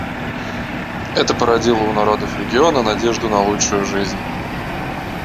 Это породило у народов региона надежду на лучшую жизнь.